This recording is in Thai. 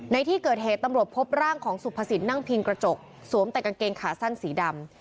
ในที่เกิดเหตุตำรวจพบร่างของสุภสิทธิ์นั่งพิงกระจกสวมแต่กางเกงขาสั้นสีดำ